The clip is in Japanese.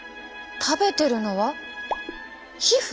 食べてるのは皮膚？